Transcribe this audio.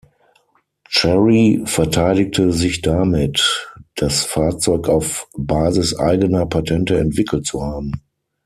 Chery verteidigte sich damit das Fahrzeug auf Basis eigener Patente entwickelt zu haben.